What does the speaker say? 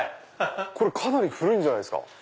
かなり古いんじゃないですか？